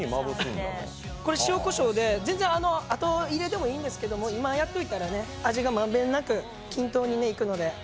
塩こしょうで、全然あと入れでもいいんですけど今やっといたら、味が満遍なく均等にいくので。